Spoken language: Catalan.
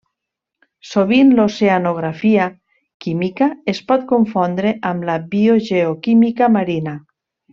Sovint l'oceanografia química es pot confondre amb la biogeoquímica marina.